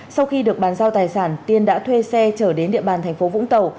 sau khi được bàn giao tài sản tiên đã thuê xe trở đến địa bàn thành phố vũng tàu